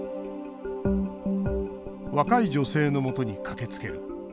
「若い女性のもとに駆けつける。